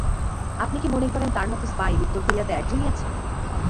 আপনি কী মনে করেন তার মতো স্পাই উত্তর কোরিয়াতে একজনই আছে?